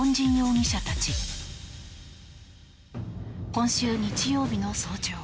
今週日曜日の早朝